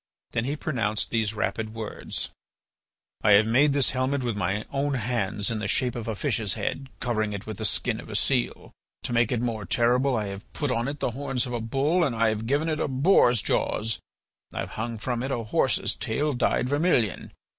Then he pronounced these rapid words: "I have made this helmet with my own hands in the shape of a fish's head, covering it with the skin of a seal. To make it more terrible I have put on it the horns of a bull and I have given it a boar's jaws; I have hung from it a horse's tail dyed vermilion.